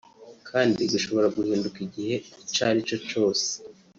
kandi gushobora guhinduka igihe icarico cose